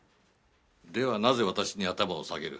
ではなぜ私に頭を下げる？